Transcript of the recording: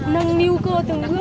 nâng lưu cô từng bữa